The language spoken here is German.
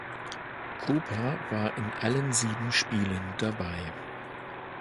Krupa war in allen sieben Spielen dabei.